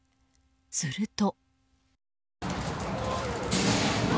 すると。